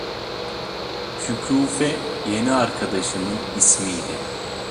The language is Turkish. Şükufe yeni arkadaşımın ismiydi.